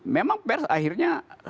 memang pers akhirnya